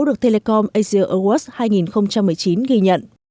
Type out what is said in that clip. được telecom asia awards hai nghìn một mươi chín ghi nhận